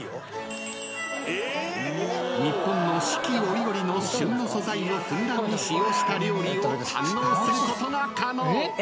［日本の四季折々の旬の素材をふんだんに使用した料理を堪能することが可能］